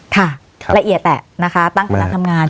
ค่ะละเอียดแต่นะคะตั้งคำนักทำงาน